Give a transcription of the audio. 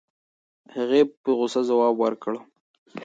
هغې په غوسه ځواب ورکړ.